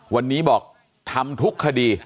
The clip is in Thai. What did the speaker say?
วันนี้บอกทำทุกคดี